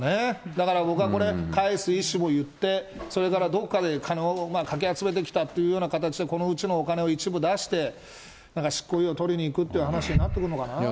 だから僕はこれ、返す意思もいって、それから、どこかで金をかき集めてきたというような形で、このうちのお金を一部出して、なんか、執行猶予取りにいくっていう話になってくるのかな。